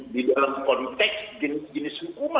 di dalam konteks jenis jenis hukuman